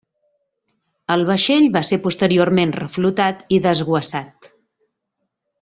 El vaixell va ser posteriorment reflotat i desguassat.